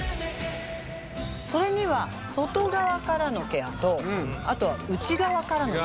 それには外側からのケアとあとは内側からのケア。